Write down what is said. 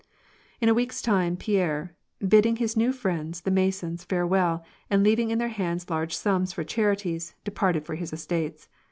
In a week's time, Pierre, bidding his new friends, the Masons, farew^l, and leaving in their hands large sums for charities, departed for his estates.